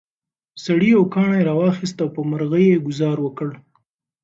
سړي یو کاڼی راواخیست او په مرغۍ یې ګوزار وکړ.